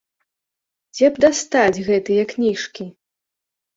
Дзе б дастаць гэтыя кніжкі?